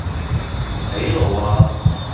睇路呀